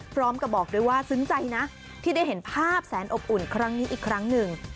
พร้อมกับบอกด้วยว่าซึ้งใจนะที่ได้เห็นภาพแสนอบอุ่นครั้งนี้อีกครั้งหนึ่ง